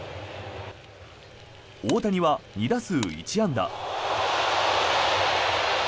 大谷は２打数１安打。